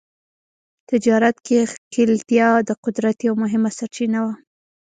تجارت کې ښکېلتیا د قدرت یوه مهمه سرچینه وه.